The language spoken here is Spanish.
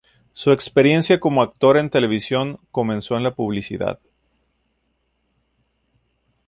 Su experiencia como actor en televisión comenzó en la publicidad.